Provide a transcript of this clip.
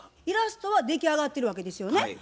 イラストは出来上がってるわけですよね。